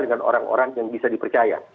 dengan orang orang yang bisa dipercaya